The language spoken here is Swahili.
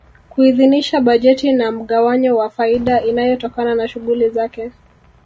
Kuidhinisha bajeti na mgawanyo wa faida inayotokana na shughuli zake